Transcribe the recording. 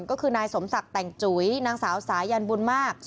ก็คือนายสมศักดิ์แต่งจุ๋ยนางสาวสายันบุญมาก